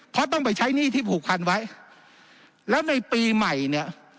เพราะต้องไปใช้หนี้ที่ผูกพันไว้แล้วในปีใหม่เนี่ย